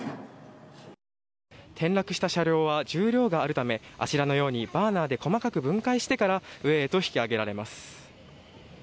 転落した車両は重量があるためあちらのようにバーナーで細かく分解してから上へと引き上げられます。